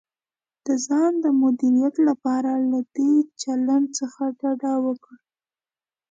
د ځان د مدیریت لپاره له دې چلند څخه ډډه وکړئ: